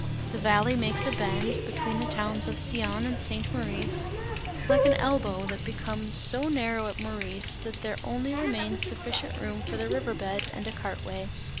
The valley makes a bend, between the towns of Sion and St. Maurice, like an elbow and becomes so narrow at Maurice, that there only remains sufficient room for the river bed and a cart way.